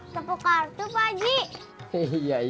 tepuk kartu pak haji